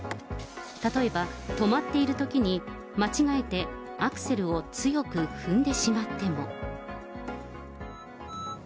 例えば、止まっているときに間違えてアクセルを強く踏んでしまっても。